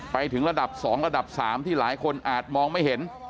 ไปถึงระดับ๒ระดับ๓ที่หลายคนอาจมองไม่เห็น